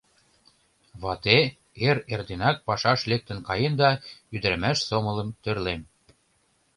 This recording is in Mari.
Вате эр-эрденак пашаш лектын каен да ӱдырамаш сомылым тӧрлем.